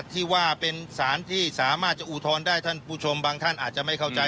ที่ว่าเป็นสารที่สามารถจะอุทธรณ์ได้ท่านผู้ชมบางท่านอาจจะไม่เข้าใจ